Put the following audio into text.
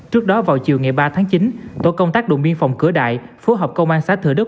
trước đó vào chiều ngày ba tháng chín tổ công tác đùm biên phòng cửa đại phối hợp công an xã thừa đức